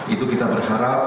itu kita berharap